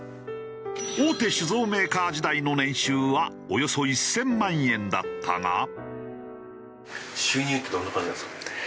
大手酒造メーカー時代の年収はおよそ１０００万円だったが。